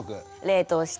冷凍して。